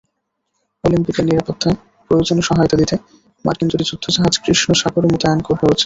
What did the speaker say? অলিম্পিকের নিরাপত্তায় প্রয়োজনে সহায়তা দিতে মার্কিন দুটি যুদ্ধজাহাজ কৃষ্ণ সাগরে মোতায়েন রয়েছে।